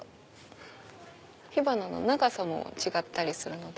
火花の長さも違ったりするので。